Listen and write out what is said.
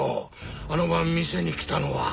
あの晩店に来たのは。